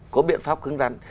có biện pháp khứng rắn